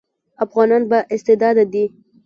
افغانان با استعداده دي